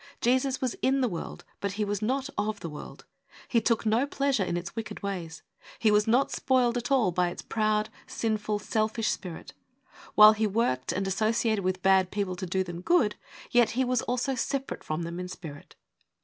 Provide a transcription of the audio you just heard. Jesus was in the world, but He was not of the world. He took no pleasure in its wicked ways. He was not spoiled at all by its proud, sinful, selfish spirit. While He worked and associated with bad people to do them good, yet He was always separate from them in spirit.